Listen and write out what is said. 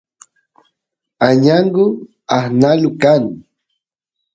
añangu aqnalu kan